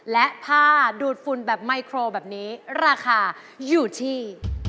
และผ้าดูดฝุ่นแบบไมโครแบบนี้ราคาอยู่ที่